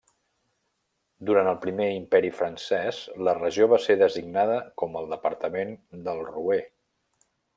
Durant el Primer Imperi Francès la regió va ser designada com el Departament del Roer.